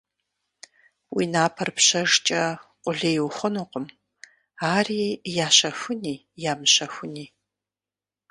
Уи напэр пщэжкӀэ къулей ухъунукъым, ари ящэхуни-ямыщэхуни.